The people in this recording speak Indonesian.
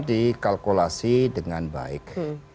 dikalkulasi dengan baik